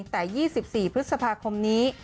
แต่๒๔พฤษภาคมนี้